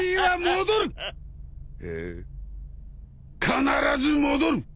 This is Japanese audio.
必ず戻る！